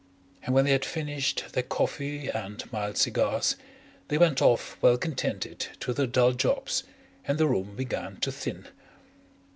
And when they had finished their coffee and mild cigars they went off well contented to their dull jobs and the room began to thin.